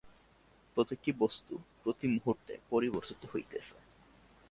প্রতিটি বস্তু প্রতিমুহূর্তে পরিবর্তিত হইতেছে।